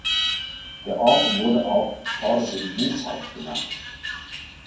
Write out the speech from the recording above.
Der Ort wurde auch „Vorderes Buchhaus“ genannt.